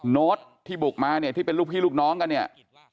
โน้ตที่บุกมาเนี่ยที่เป็นลูกพี่ลูกน้องกันเนี่ย